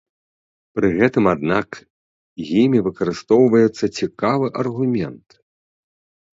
Пры гэтым, аднак, імі выкарыстоўваецца цікавы аргумент.